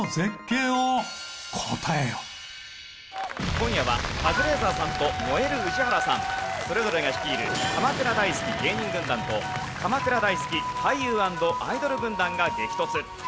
今夜はカズレーザーさんと燃える宇治原さんそれぞれが率いる鎌倉大好き芸人軍団と鎌倉大好き俳優＆アイドル軍団が激突。